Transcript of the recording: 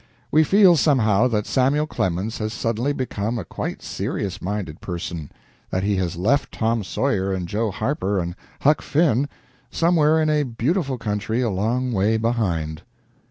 We feel, somehow, that Samuel Clemens has suddenly become quite a serious minded person, that he has left Tom Sawyer and Joe Harper and Huck Finn somewhere in a beautiful country a long way behind.